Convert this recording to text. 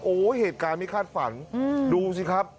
โอ้โหเหตุการณ์ไม่คาดฝันดูสิครับ